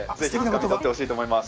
頑張ってほしいと思います。